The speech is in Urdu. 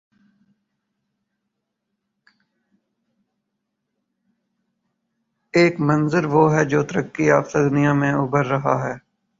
ایک منظروہ ہے جو ترقی یافتہ دنیا میں ابھر رہا ہے۔